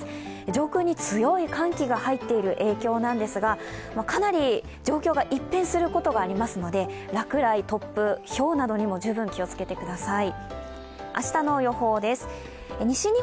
上空に強い寒気が入っている影響なんですが、かなり状況が一変することがありますので落雷、突風、ひょうなどにも十分気をつけてください。